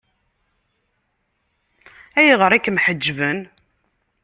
Ayɣer i kem-ḥeǧben?